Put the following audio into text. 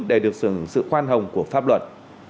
để được sự khoan hồng của pháp luật